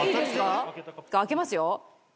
開けますよ。